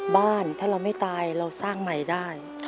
บ้านถ้าเราไม่ตายเราสร้างใหม่ได้